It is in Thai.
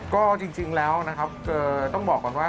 ก็จริงแล้วนะครับต้องบอกก่อนว่า